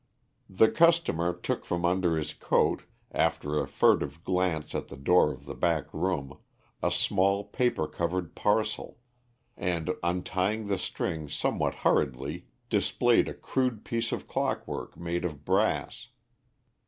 The customer took from under his coat, after a furtive glance at the door of the back room, a small paper covered parcel, and, untying the string somewhat hurriedly, displayed a crude piece of clockwork made of brass.